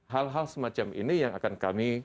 hal hal semacam ini yang akan kami